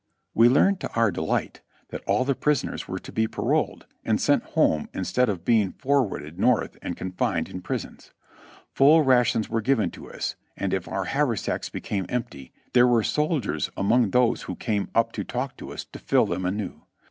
" We learned to our delight that all the prisoners were to be paroled and sent home instead of being forwarded North and confined in prisons. Full rations were given to us, and if our haversacks became empty there were soldiers among those who came up to talk to us, to fill them anew.